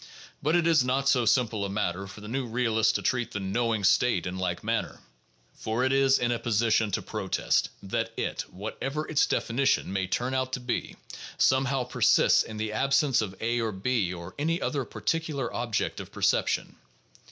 But it is not so simple a matter for the new realist to treat "the knowing state" in like manner. For it is in a position to protest that it — whatever its definition may turn out to be — somehow persists in the absence of A or B or any other particular object of perception.